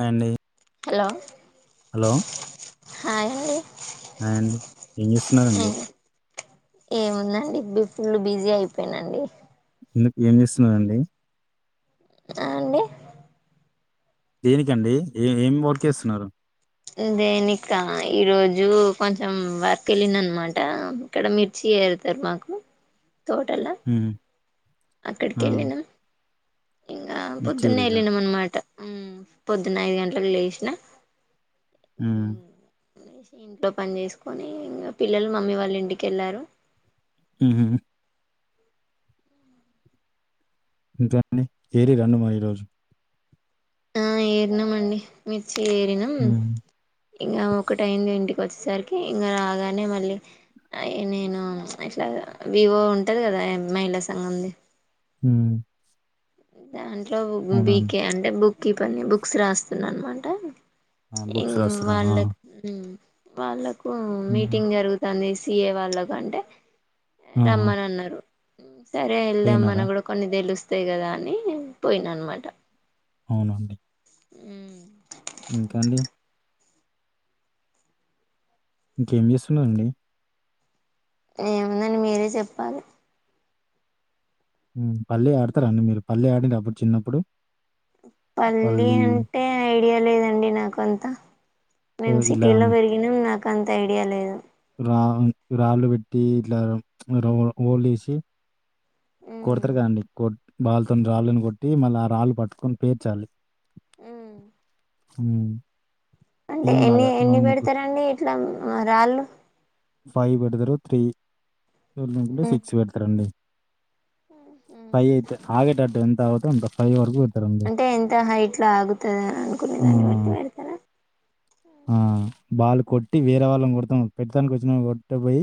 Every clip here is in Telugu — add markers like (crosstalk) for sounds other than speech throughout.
అండి హలో హలో హాయ్ హె అండ్ ఏం చేస్తున్నారండి ఏముందండి బి ఫుల్ బిజీ అయిపోయినండి ఎందుకు ఏం చేస్తున్నారండి ఆ అండి దేనికండి ఏ ఏం వర్క్ చేస్తున్నారు దేనిక ఈరోజు కొంచెం వర్క్ వెళ్ళిన అన్నమాట ఇక్కడ మిర్చి ఎరుతారు మాకు తోటలా హ్మ్ అక్కడికి ఆ వెళ్ళిన ఇగ మిర్చి పొద్దున్నే ఏరిర్రా వెళ్లినం అన్నమాట ఆ పొద్దున్న ఐదు గంటలకు లేసిన హు హ్మ్ లేచి ఇంట్లో పని చేసుకొని ఇంకా పిల్లలు మమ్మీ వాళ్ళు ఇంటికెళ్ళారు ఉహు ఇంకా అండి ఏరి రండి మరి ఈ రోజు ఆ ఏరినమండి మీ చేరినం హ్మ్ ఇంగా ఒకటి అయ్యింది ఇంటికి వచ్చేసరికి ఇంగా రాగానే మళ్ళీ నేను ఇట్లా వివో ఉంటది కదా మహిళాసంఘంది ఉహు దాంట్ల బీకే అంటే బుక్ బుక్ కీపర్ ని బుక్స్ రాస్తున్నా అన్నామాట ఆ ఇ బుక్స్ రాస్తుర్రా ఆ వాళ్లకు వాళ్ళకు హ్ హ్మ్ మీటింగ్ జరుగుతంది. స్ తిరిగే వాళ్ళకంటే ఆహా రమ్మని అన్నారు. సరే ఎల్దం పోయినారా మనకు గూడ కొన్ని తెలుస్తాయి. తే కదా అని పోయిన అనమాట అవున అండి హ్ ఇంకా అండి ఇంకేం చేస్తున్నారండి. ఏముందండి మీరే చెప్పాలే హ్ పల్లి ఆడుతార అండి. మీరు పల్లి అడిర్ర అప్పుడు చిన్నప్పుడు పల్లి అంటే ఆ డియ లేదండి నాక అంతా ఓ మేం ఇలా సిటీలో పెరిగినం నాక్ గంత ఐడియా లేదు రా రాళ్ళు పెట్టి ఇట్లా ఓ లేసి కోడతారుగా అండి కోడ్ బల్తోని రాళ్ళని కొట్టి మళ్ళ ఆ రాళ్ళు పట్టుకొని పేర్చాలి. హ్ హ్ టీమ్ లాగా అనో ఓ ముగ్గురు లం రాళ్ళు ఫైవ్ పేడతరు త్రీ సోల్ంలో సిక్స్ పెడతారండి పైయితే ఆగేటట్టు అాంత ఫైవ వరకు పెడతారండి. అంటే ఎంత హైట్ లో ఆగుతుందని అనుకునే ఆ! దాన్ని బట్టి పెడతారా వేర వాళ్ళం కొడతాం పెద్ద ప్రథ వడ్డ బై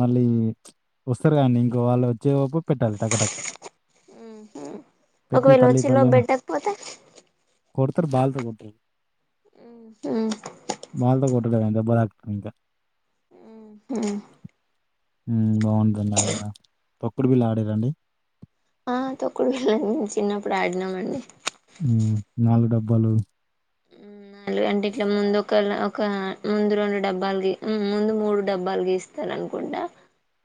మళ్ళీ వస్తారు కండి ఇంకో వాళ్ళు వచ్చేపు ఉహు పెట్టి ఒకవేళ పల్లి వచ్చి లో పల్లి అని పెట్టకపోతే కొడతారు బాలుతో కొడతారు బాల్ తో కొట్టలేదండి దెబ్బ తకి ఇంకా ఉహ్ హు ఉహ్మ్ బాగుంటండి అది కూడా. తొక్కుడు బిల్లా ఆడిరండి ఆహ్ తొక్కుడు బిల్లా చిన్నప్పుడు ఆడినామండి. ఉహ్మ్ నాలుగు డబ్బాలు. ఉహ్మ్ నాలుగు అంటే ఇట్లా ముందు ఒక ఒక ముందు రెండు డబ్బాలు గీ ముందు మూడు డబ్బాలు గీస్తారనుకుంటా.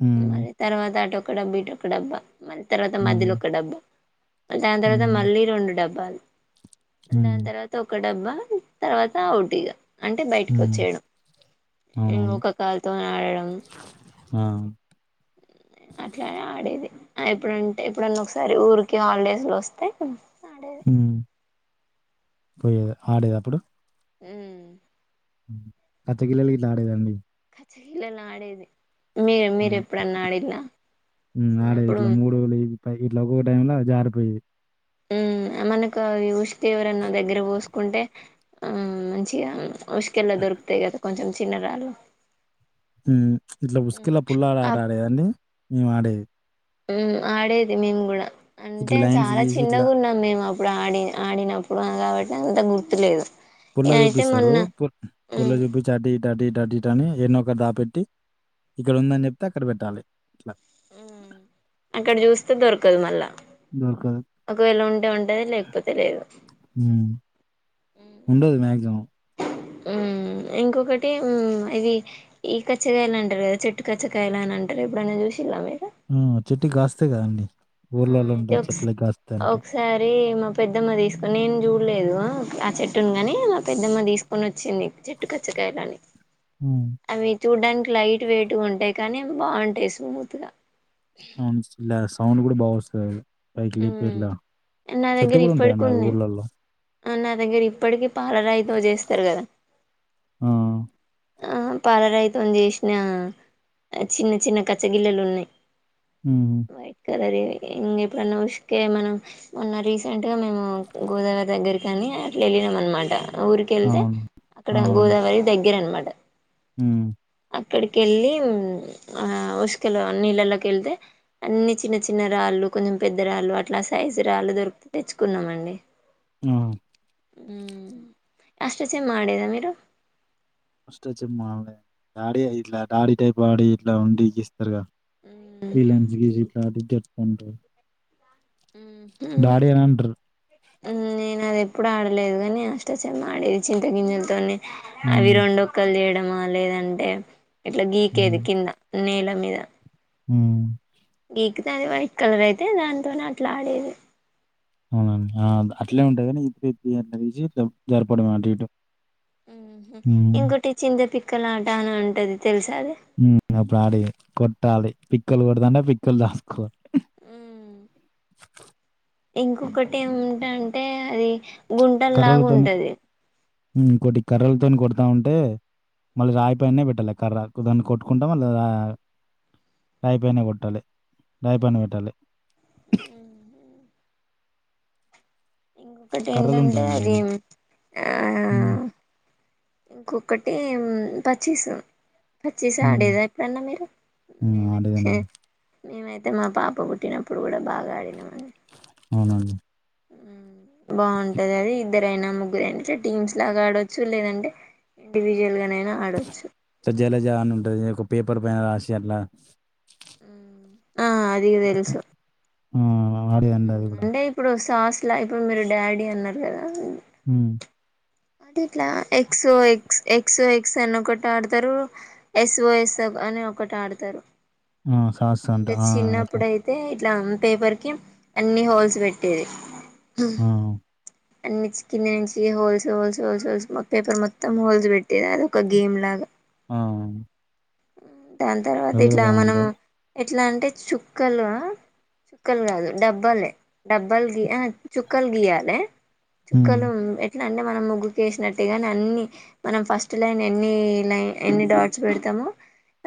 హ్మ్. మళ్లీ తర్వాత ఆటోక్ క్కడబ్బా ఇట్ ఒక్కడబ్బ మళ్ళీ తర్వాత హ్మ్. మధ్యలో ఒక డబ్బా. దాని తర్వాత హ్మ్. మళ్ళీ రెండు డబ్బాలు. హ్మ్. దానితర్వాత ఒక్ ఒక డబ్బా తర్వాత ఆవుటిగా అంటే బయటికి హ్మ్. వచ్చేయడం. ఇంగా ఒక కాల్తో ఆడడం. ఆహ్ అట్లానే ఆడేది. ఆహ్ ఎప్పుడంటే, ఎప్పుడున్న ఒకసారి ఊరికి హాలిడేస్ లో వస్తే. ఆహ్ ఉహ్మ్ పోయే ఆడేద అప్పుడు. ఉహ్మ్ పచ్చ గిళ్ళల్ గిట్ల ఆడేదండి. పచ్చగిళ్ళల్ ఆడేది మీరు మీరు ఎప్పుడన్నా ఆడిల్లా హు ఆడేది ఇట్లా చిన్నప్పుడు మూడు (unintelligible) ఇట్లా ఒక్కొక్క టైమ్ ల జారిపోయిది ఉ మనకు ఉష్ తే ఎవరన్నా దగ్గర పోసుకుంటే ఆ మంచిగా (unintelligible) ఎలా దొరుకుతాయి కదా కొంచెం చిన్నరాళ్లు హు ఇట్లా ఇసుక లో పుల్లా ఆట ఆడేదాన్ని మేము ఆడేది ఉ ఆడేది మేము కూడా ఇట్లా అంటే లైన్స్ చాలా గీసి ఇట్లా చిన్నగా ఉన్నాం మేము అప్పు ఇప్పుడు ఆడి ఆడినప్పుడు కాబట్టి అంత గుర్తులేదు పుల్ల అయితే జుబిస్తారు మొన్న పు పుల్ల ఉమ్ జూబిచ్చి అటు ఇటు అటు ఇటు అని యన్నో ఒకనా దాపెట్టి ఇక్కడ ఉందని చెప్తే అక్కడ పెట్టాలి ఇట్లా హు అక్కడ చూసి దొరకదు మల్ల దొరకదు. ఒకవేళ ఉండే ఉంటది లేకపోతే లేదు హ్మ్. ఉండదు మాక్సిమం హు ఇంకొకటి హు ఇవి ఈ కచ్చకాయలు అంటారు కదా చెట్టు కచ్చకాయలు అని అంటారు. ఎప్పుడైనా చూసిళ్ళా మీరు ఆ చెట్టుకు కాస్తాయి కదండి ఆ అయితే ఒక ఒకసారి మా పెద్దమ్మ తీసుకొని నేను చూడలేదు ఒకే ఆ చెట్టు గానీ అలా పెద్దమ్మ తీసుకొనిచ్ వచ్చింది చెట్టు కచ్చకాయలని హ్మ్. అవి చూడ్డానికి లైట్ వేట్ ఉంటాయి కానీ అ బాగుంటాయి స్మూత్గా అవును సౌండ్ కూడా బావస్తుంది కాయలు పైకి ఉమ్ (unintelligible) నా చెట్టు దగ్గర కూడా ఇప్పటికి ఉంటాయండివి ఉన్నాయి ఊర్లలో నా దగ్గర ఇప్పటికీ పాలరాయితో చేస్తారు కదా ఆ ఆ పాల రాయితో చేసినా ఆ చిన్న చిన్న కచ్చగిల్లలు ఉన్నాయి ఉమ్ వైట్ కలర్ ఏ ఇ ఎప్పుడన్న ఇసుకే మనం ఉన్న రీసెంట్ గా మేము గోదావరి దగ్గర కాని అట్లా వెళ్ళినాం అనమాట ఊరికెళ్తే అవును అక్కడ అవును గోదావరి దగ్గర అనమాట ఉమ్ అక్కడికెళ్ళి ఆ ఉసుకలో నీళ్ళలోకి వెళ్తే అన్ని చిన్న చిన్న రాళ్ళు కొంచెం పెద్ద రాళ్ళు అట్లా సైజు రాళ్ళు దొరికితే తెచ్చుకున్నామండి ఆ అష్టాచెమ్మా ఆడెద మీరు అష్ట చెమ్మ ఆడ్లే ఆడే ఇట్లా ఆడీ టైప్ ఆడి ఇట్లా ఉండి గీస్తారుగదా మ్మ్ (unintelligible) (inaudible) అంటారు నేను అదే ఎప్పుడు ఆడలేదు కాని అష్టచమ్మ ఆడేది చింత గింజలతో అవి ఉమ్ రెండుక్కలు చేయడం బాలేదంటే ఇట్లా గీకేది కింద నేల యా హ్మ్ గీకితే అది వైట్ కలర్ అయితే దాంతోనే అట్లా ఆడేది అవునండి అట్లేనీ ఉంటాది కానీ ఇద్ద జరపడమ అంట ఇటు ఉమ్ ఇంగోటి చిందప చక్కలాట అని ఉంటది తెలుసా అది అప్పుడు ఆడే కొట్టాలి పిక్కులు కొడదంటే పిక్కులు చాసుకోవాలి హ్మ్ ఇంకొకటి ఏం టంటే అది గుంటల లాగా ఉంటది కొటినీ కర్రలతోని కొడతా ఉంటే మళ్ళీ రాయిపైనే పెట్టాలి కర్ర కొ దాన్ని కొట్టుకుంటా మళ్ళీ రాయిపైనే కొట్టాలి రాయి పన పెట్టాలి ఇంకొకటి ఏంటంటే కర్రలుంటాయండి. అది ఆ హ్మ్. కొకటి ఏం పచ్చిసు పచ్చిస హ్మ్. ఆడేదా ఎప్పుడన్నా మీరు హ్మ్. మేమైతే ఆడేదండి. మేమైతే మా పాప పుట్టినప్పుడు కూడా బాగా ఆడినాం అండి అవునండి బాగుంటది అది ఇద్దరైనా ముగ్గురయినాట్ టీమ్స్ లాగా ఆడొచ్చు లేదంటే ఇండివజువల్ గాననా అడచ్చు ఇట్లా జలజ అని ఉంటది ఒక పేపర్ పైన రాసి అట్లా ఆ అది తెలుసు ఆ ఆడి అందరు కూడా టాస్ ల ఇప్పుడు మీరు డాడీ అన్నారు కదా మ్ అంటే ఇట్లా X O X X O X అని ఒకటి ఆడతారు ఎస్ ఓ ఎస్ అని ఒకటి ఆడతారు మ్ సాస్ ఇంకా అంటరా మీరు చిన్నప్పుడయితే ఇట్లా పేపర్ కి అన్ని హోల్స్ పెట్టేది ఆ అన్ని కింద నుంచి holes holes holes holes paper మొత్తం హోల్స్ పెట్టేది అదొక్క గేమ్ లాగా మ్ మ్ దాని తర్వాత ఇట్లా మనము ఎట్లా అంటే చుక్కలా చుక్కలు కాదు డబ్బాలే డబ్బలు గీయ ఆహా చుక్కలు గీయాలే హ్మ్. చుక్కలుం ఎట్ల అంటే మనం ముగ్గుకేసినట్టే గాని అన్ని మనం ఫస్ట్ లైన్ ఎన్ని లైన్ ఎన్ని డాట్స్ పెడతామో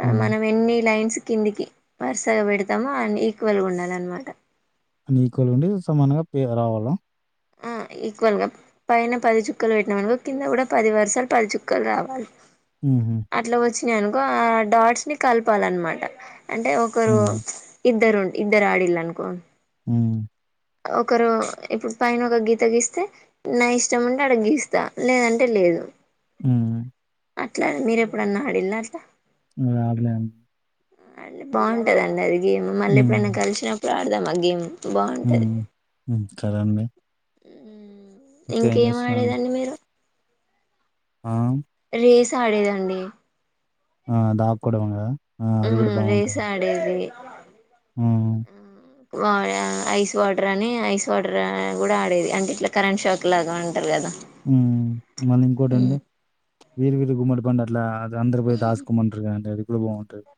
హ్మ్. మనం ఎన్ని లైన్స్ కిందికి వరుసగా పెడతాము అండ్ ఈక్వల్ గా ఉండాలనమాట అని ఈక్వల్ ఉండి సమానంగా పేద రావాలా ఆ ఈక్వల్గా పైన పది చుక్కలు పెట్టినామనుకో కింద కూడా పది వర్సలు పది చుక్కలు రావాలి ఉహు యనుకో ఆ డాట్స్ ని కలపాలనమాట అంటే ఒకరు హ్మ్. ఇద్దరు ఉం ఇద్దరు ఆడిల్ అన్కో మ్ ఒకరు ఇప్పుడు పైన ఒక గీత గీస్తే నా ఇష్టం ఉంటే ఆడ గీస్తా లేదంటే లేదు మ్ అట్లా మీరు ఎప్పుడన్నా ఆడిల్లా అట్లా నేన్ ఆడలేను అండి బాగుంటదండి అది గేమ్ మళ్ళీ ఎప్పుడైనా కలిసిన డాడదామా గేం మ్ మ్ త్తరణి మ్ ఇంకేం ఆడేదండి మీరు ఆ చేసి ఆడేదండి ఆ దాకోడమేగద ఉమ్ రేస్ ఆడేది ఆ ఉమ్ ఐస్ వాటర్ అని ఐస్ వాటర్ కూడా ఆడేది అంటే ఇట్లా కరెంట్ షాక్ లాగా అంటారు కదా ఉమ్ మళ్ళీ ఉమ్ ఇంకోటండి వీరి వీరి గుమ్మడి పండా అట్లా అందరు పోయి దాసుకోమంటారుగా అండి అది అది కూడా బాగుంటుంది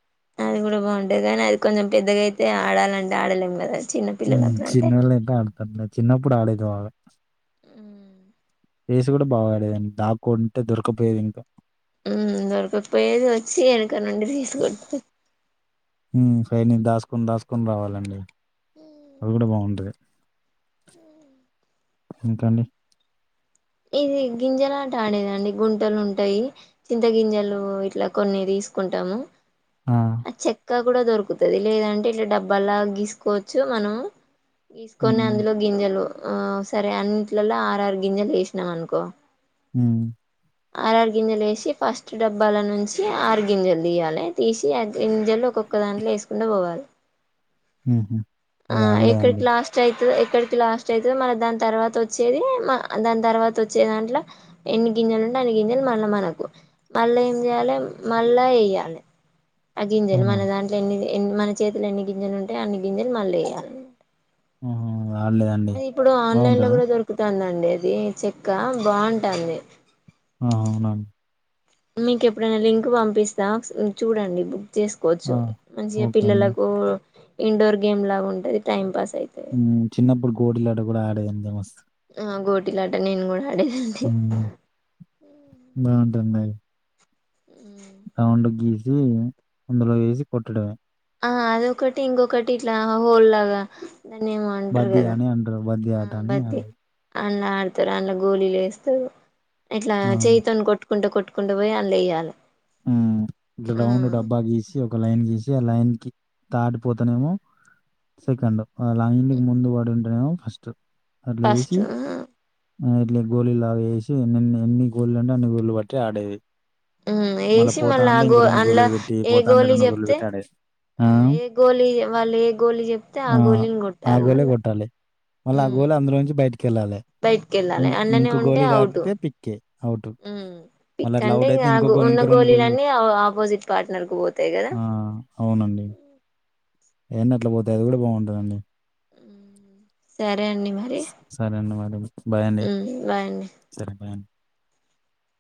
అది కూడా బాగుంటాది కానీ అది కొంచెం పెద్దగాయితే ఆడాలంటే ఆడలేం కదా చిన్న పిల్లలు అప్పుడంటే చిన్నళ్ళు అయితే ఆడుతారు చిన్నప్పుడు ఆడేది బాగా ఫేస్ కూడా బాగాడేదండి దాకుంటే దొరికపోయేది ఇంకా ఉమ్ దొరకకపోయేది వచ్చి వెనక నుండి తీసుకట్ తీసుకుని దాసుకుని రావాలండి అవి కూడా బాగుంటుంది అే ఉమ్ ఇంకా అండి ఇది గింజలాట ఆడేదండి గుంటలు ఉంటాయి చింత గింజలు ఇట్లా కొన్ని తీసుకుంటాము ఆ! అచ్చే ఇంకా కూడా దొరుకుతుంది లేదంటే ఇలా డబ్బాలాగా గీసుకోవచ్చు మనము గీసుకొని హ్మ్. అందులో గింజలు ఆ సరే అన్నింటిలలో ఆరు ఆరు గింజలు వేసి నామనుకో ఉమ్ ఆర ఆరు గింజలు వేసి ఫస్ట్ డబ్బాల నుంచి ఆరు గింజలు తీయాలి తీసి ఆ గింజలు ఒక్కొక్క దాంట్లో వేసుకుంట పోవాలి అ ఆ ఎక్కడకి లాస్ట్ అయితే ఇక్కడికి లాస్ట్ అయితు మన దాని తర్వాత వచ్చేది దాని తర్వాత వచ్చే దాంట్లో ఎన్ని గింజలు ఉంటే అన్ని గింజలు మళ్ళా మనకు మళ్ళా ఏం చేయాలి మళ్ళా వేయాలి ఆ గింజలు అవునా? మన దాంట్లో ఎన్నిది ఎన్ని మన చేతిలు ఎన్ని గింజలు ఉంటాయి అన్ని గింజలు మళ్ళ వేయాలి ఆహ అది ఇప్పుడు ఆన్లైన్ లో కూడా దొరుకుతందండి ఉండేది చెక్క బాంటాంది. ఆ అవునాన్ మీకు ఎప్పుడైనా లింక్ పంపిస్తా చూడండి బుక్ చేసుకోవచ్చు ఆ! మంచిగా ఓకే అండి. పిల్లలకు ఇండోర్ గేమ్ లాగా ఉంటది. టైం పాస్ అయితది ఊ చిన్నప్పుడు గోటిల్లాట కూడా ఆడేదన్ది మస్త్ అ గోటి లాట నేను కూడా ఆడేదాన్ని. టుందండి. రౌండ్ గీసి అందులో వేసి కొట్టడమే ఆ అదొకటి ఇంకొకటి ఇట్లా హోల్ లాగా దాన్ని ఏమో అంటారు బద్ది కదా యని అంటరు బద్ధి ఆటాని అడ్ అన్న ఆడతారు. అన్న గోలిలేస్తరు. ఇట్లా ఆ! చెయ్యితోని కొట్టు కొట్టుకుంటూ కొట్టుకుంటూ పోయి అందులో వేయాలా ఊ గ్రౌండ్ డబ్బా గీసి ఒక ఒక లైన్ గీసి ఆ లైన్ కి దాటిపోతానేమో సెకండ్ ఆ లైన్ ముందు పడి ఉంటనేమో ఫస్ట్ ఫస్ట్ ఇట్ల గోళలు లాగా వేసి ఎన్నెన్ని ఎన్ని గోళీలు అంటే అన్ని గోళీలు బట్టి ఆడేది వేసి మళ్ళా పోతాంటే ఆ గో ఇంకో అందులో గోలీలు పెట్టి, ఏ పోతాంటే గోలీ గోలీలు చెప్తే పెట్టి ఆడేది. ఆ ఏ గోలీ వాళ్ళు ఏ గోలీ చెప్తే ఆ గోలిని ఆ కొట్టాలి గోలే మళ్ళా కెల్లాలే బయటికి ఇం వెళ్ళాలి అందులోనే ఇంకో ఉంటే గోళ అవుట్ తాకితే పిక్కే అవుట్ మళ్ళ అట్లా అవుట్ అయితే ఇంకో గోల్ రెండు గోళ్ళు గోలీలన్నీఆవ్ ఆపోజిట్ పార్ట్నర్ కు పోతాయి కదా ఆ, ఎన్నట్ల పోతాయి అది కూడా బాగుంటుందండి. సరే అండి మరి సరే అండి మరి బాయండి బాయ్ అండి సరే బాయండి.